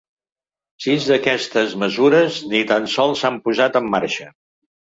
Sis d’aquestes mesures ni tan sols s’han posat en marxa.